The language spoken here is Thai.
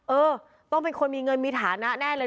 เออต้องเป็นคนมีเงินมีฐานะแน่เลย